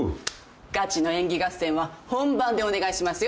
ガチの演技合戦は本番でお願いしますよ